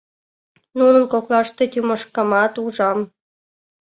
Нунын коклаште Тимошкамат ужам.